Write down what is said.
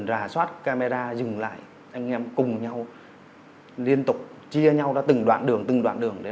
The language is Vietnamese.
rà soát camera dừng lại anh em cùng nhau liên tục chia nhau ra từng đoạn đường từng đoạn đường để